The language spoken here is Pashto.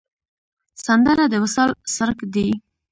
سندره د وصال څرک دی